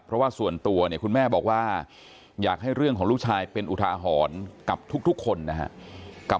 เพราะว่าส่วนตัวเนี่ยคุณแม่บอกว่าอยากให้เรื่องของลูกชายเป็นอุทาหรณ์กับทุกคนนะครับ